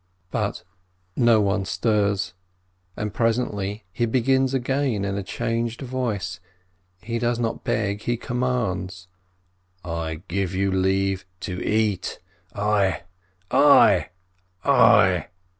But no one stirs. And presently he begins again in a changed voice — he does not beg, he commands: "I give you leave to eat — I — I — I